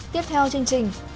tiếp theo chương trình